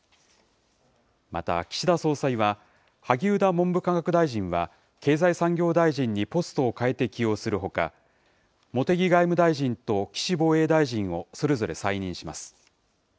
また岸田総裁は萩生田文部科学大臣は経済産業大臣にポストを変えて起用するほか、茂木外務大臣と岸防衛大臣をそれぞれ再任します。